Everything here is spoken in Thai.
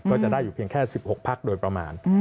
ก็จะได้อยู่เพียงแค่๑๖พักโดยประมาณ